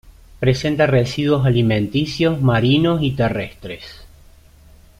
Presenta residuos alimenticios marinos y terrestres.